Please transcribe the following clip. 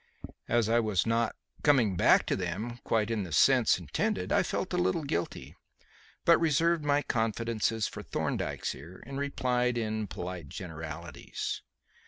As I was not "coming back to them" quite in the sense intended I felt a little guilty, but reserved my confidences for Thorndyke's ear and replied in polite generalities.